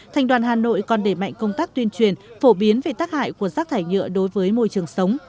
thành đoàn hà nội còn để mạnh công tác tuyên truyền phổ biến về tác hại của rác thải nhựa đối với môi trường sống